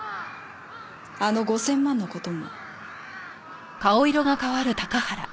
あの５０００万の事も。